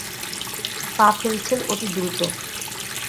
পা ফেলছেন অতি দ্রুত।